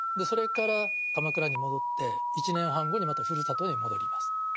それから鎌倉に戻って１年半後にまたふるさとに戻ります。